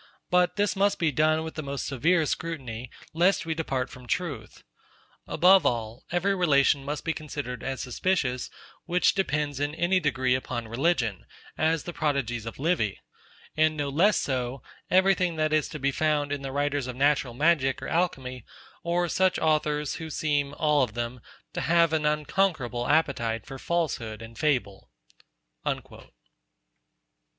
But this must be done with the most severe scrutiny, lest we depart from truth. Above all, every relation must be considered as suspicious, which depends in any degree upon religion, as the prodigies of Livy: And no less so, every thing that is to be found in the writers of natural magic or alchimy, or such authors, who seem, all of them, to have an unconquerable appetite for falsehood and fable.' Nov. Org.